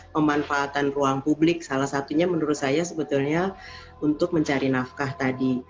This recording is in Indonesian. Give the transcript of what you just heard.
pemanfaatan ruang publik salah satunya menurut saya sebetulnya untuk mencari nafkah tadi